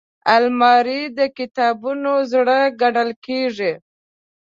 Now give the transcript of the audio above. الماري د کتابتون زړه ګڼل کېږي